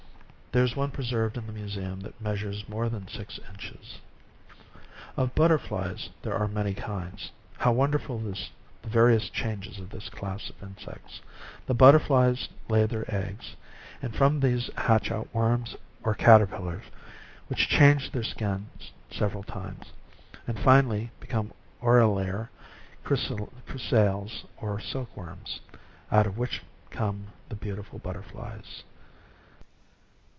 There is one preserved in the museum that measures more than six inches. Of butterflies there are many kinds. How wonderful the va rious changes of this class of insects! The butterflies lay their eggs: from these hatch out worms or catter pillars, which change their skins several times, and finally, be come aurelire, chrysales, or silk worms, out of which come the beautiful butterflies.